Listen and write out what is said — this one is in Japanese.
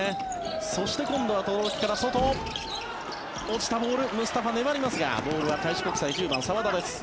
そして、今度は轟から外。落ちたボールムスタファ粘りますがボールは開志国際１０番、澤田です。